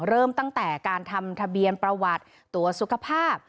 เริ่มตั้งแต่การทำทะเบียนประวัติตัวสุขภาพ